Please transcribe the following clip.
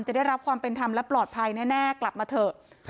ได้รับความเป็นธรรมและปลอดภัยแน่กลับมาเถอะ